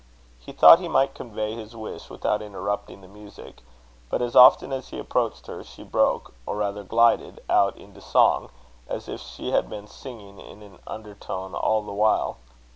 He thought he might convey his wish without interrupting the music; but as often as he approached her, she broke, or rather glided, out into song, as if she had been singing in an undertone all the while.